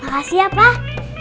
makasih ya pak